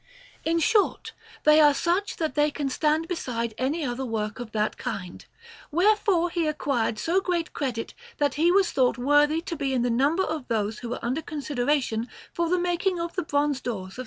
In short, they are such that they can stand beside any other work of that kind; wherefore he acquired so great credit that he was thought worthy to be in the number of those who were under consideration for the making of the bronze doors of S.